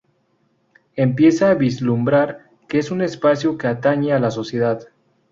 Empieza a vislumbrar que es un espacio que atañe a la sociedad.